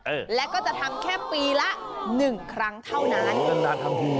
เออแล้วก็จะทำแค่ปีละหนึ่งครั้งเท่านั้นอ๋อจัดการทำกลุ่ม